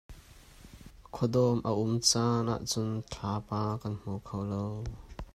Khuadawm a um caan ah cun thlapa kan hmu kho lo.